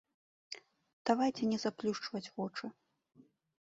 Давайце не заплюшчваць вочы!